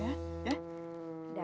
sayang ya ya